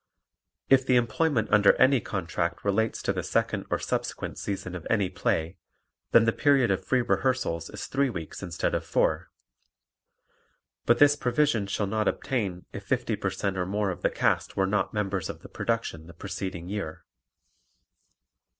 If the employment under any contract relates to the second or subsequent season of any play, then the period of free rehearsals is three weeks instead of four, but this provision shall not obtain if 50 per cent or more of the cast were not members of the production the preceding year.